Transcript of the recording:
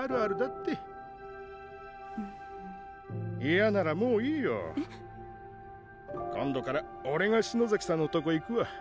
嫌ならもういいよ。えっ？今度から俺が篠崎さんのとこ行くわ。